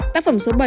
tác phẩm số bảy